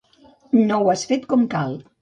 No ho has fet com cal.